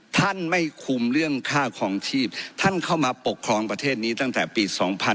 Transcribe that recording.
ท่านไม่คุมเรื่องค่าคลองชีพท่านเข้ามาปกครองประเทศนี้ตั้งแต่ปี๒๕๕๙